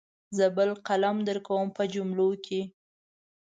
زه بل قلم درکوم په جملو کې.